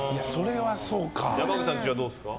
山口さんちはどうですか？